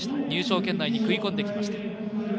入賞圏内に食い込んできました。